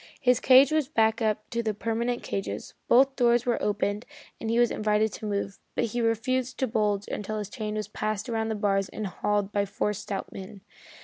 His cage was backed up to one of the permanent cages, both doors were opened, and he was invited to move, but he refused to budge until his chain was passed around the bars and hauled by four stout men.